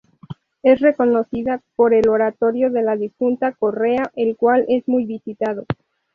Es reconocida por el Oratorio de la Difunta Correa, el cual es muy visitado.